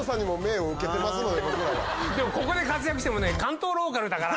でもここで活躍しても。